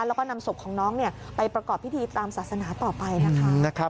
แล้วก็นำศพของน้องไปประกอบพิธีตามศาสนาต่อไปนะคะ